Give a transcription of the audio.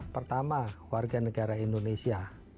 pertama warga negara indonesia